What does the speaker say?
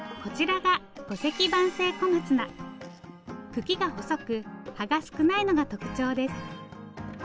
茎が細く葉が少ないのが特徴です。